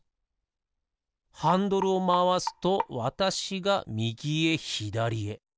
ハンドルをまわすとわたしがみぎへひだりへ。